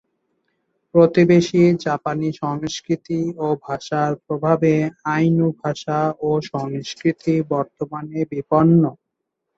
প্রতিবেশী জাপানি সংস্কৃতি ও ভাষার প্রভাবে আইনু ভাষা ও সংস্কৃতি বর্তমানে বিপন্ন।